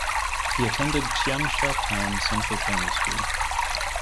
He attended Tianxia Town Central Primary School.